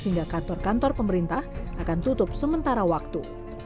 hingga kantor kantor pemerintah akan tutup sementara waktu